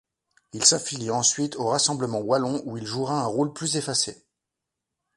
Il s'affilie ensuite au Rassemblement wallon où il jouera un rôle plus effacé.